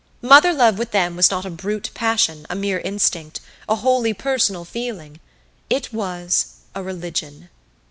Mother love with them was not a brute passion, a mere "instinct," a wholly personal feeling; it was a religion.